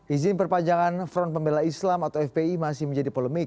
izin perpanjangan front pembela islam atau fpi masih menjadi polemik